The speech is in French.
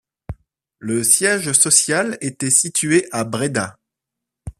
Le siège social était situé à Breda.